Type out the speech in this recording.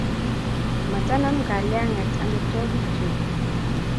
Matanam kalyanget amitwogikguk